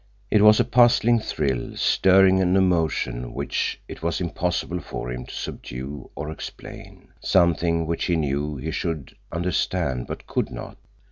It was a puzzling thrill, stirring an emotion which it was impossible for him to subdue or explain; something which he knew he should understand but could not.